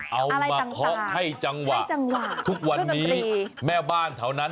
เอามาเคาะให้จังหวะทุกวันนี้แม่บ้านเท่านั้น